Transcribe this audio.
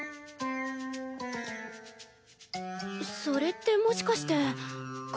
それってもしかして。